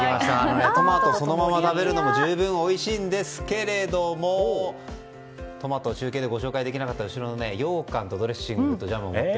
トマトそのまま食べるのも十分おいしいんですけれどもトマトの中継でご紹介できなかったようかんとドレッシングとジャムを持って